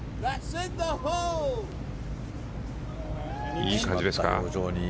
いい感じですか？